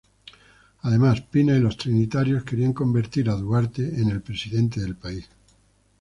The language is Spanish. Además, Pina y los trinitarios querían convertir a Duarte en el presidente del país.